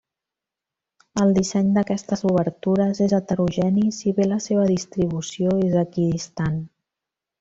El disseny d'aquestes obertures és heterogeni, si bé la seva distribució és equidistant.